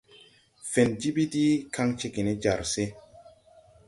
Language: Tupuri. Fen jiɓiddi kaŋ cégè ne jar se.